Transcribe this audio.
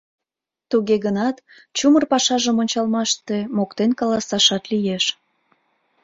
Туге гынат, чумыр пашажым ончалмаште, моктен каласашат лиеш.